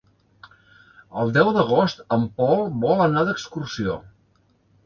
El deu d'agost en Pol vol anar d'excursió.